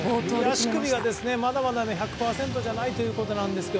足首がまだ１００％じゃないということですが